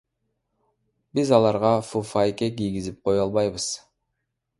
Биз аларга фуфайке кийгизип кое албайбыз.